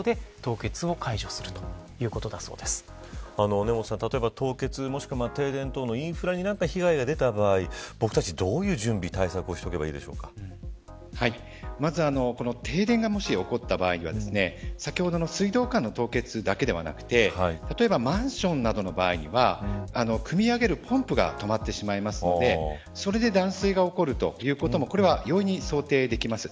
根本さん、凍結、停電等インフレで被害が出た場合どういう準備、対策がまず停電が起こった場合先ほどの水道管の凍結だけでなく例えばマンションなどの場合にはくみ上げるポンプが止まってしまいますのでそれで断水が起こるということも容易に想定できます。